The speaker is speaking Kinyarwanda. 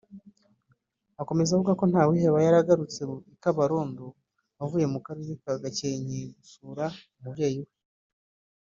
Akomeza avuga ko Ntawiheba yari agarutse i Kabarondo avuye mu Karere ka Gakenke gusurayo umubyeyi we